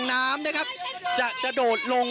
น้ำนะครับจะกระโดดลง